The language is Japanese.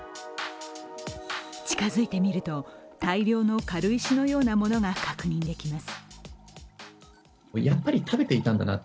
近づいてみると、大量の軽石のようなものが確認できます。